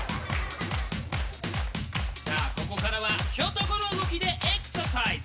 さあここからはひょと子の動きでエクササイズ！